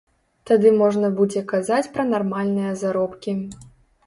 Тады можна будзе казаць пра нармальныя заробкі.